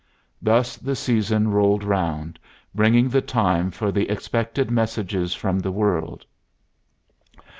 Thus the season rolled round, bringing the time for the expected messages from the world.